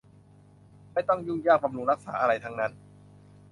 ไม่ต้องยุ่งยากบำรุงรักษาอะไรทั้งนั้น